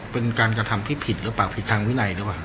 เป็นการกระทำที่ผิดหรือเปล่าผิดทางวินัยหรือเปล่า